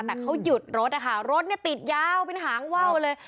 แต่เขาหยุดรถนะคะรถเนี่ยติดยาวเป็นหางว่าวเลย